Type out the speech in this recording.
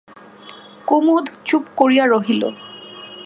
কুমুদ চুপ করিয়া রহিল।